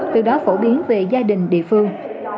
từ đó phổ biến về gia đình địa phương